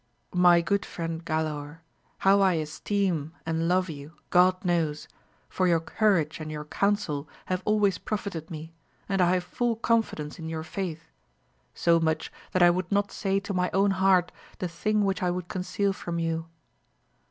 My good friend, Galaor, how I esteem and love you God knows, for your courage and your counsel have always profited me, and I have full confidence in your faith, so much, that I would not say to my own heart the thing which I would conceal from you.